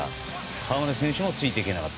河村選手もついていけなかった。